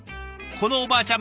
このおばあちゃん